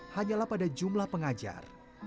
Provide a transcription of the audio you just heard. hanyalah pada jumlah pengajar